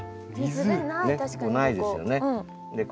ここないですよね。